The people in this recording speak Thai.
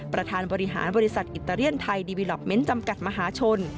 ประธานบริหารบริษัทอิตาเลียนไทยดีวิลอปเมนต์จำกัดมหาชน